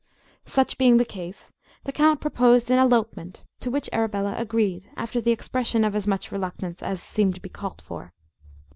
Such being the case, the count proposed an elopement, to which Arabella agreed, after the expression of as much reluctance as seemed to be called for.